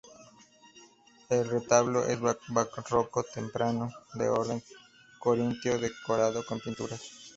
El retablo es barroco temprano de orden corintio decorado con pinturas.